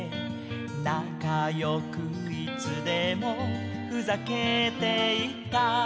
「なかよくいつでもふざけていた」